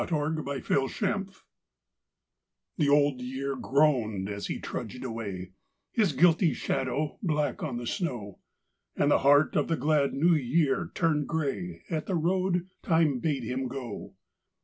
BLOOD ROAD THE Old Year groaned as he trudged away, His guilty shadow black on the snow, And the heart of the glad New Year turned grey At the road Time bade him go.